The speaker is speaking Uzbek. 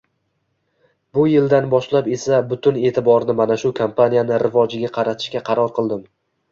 Bu yildan boshlab esa butun eʼtiborni mana shu kompaniyani rivojiga qaratishga qaror qildim.